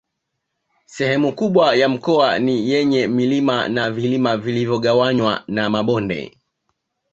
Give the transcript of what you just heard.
Sehemu kubwa ya mkoa ni yenye milima na vilima vilivyogawanywa na mabonde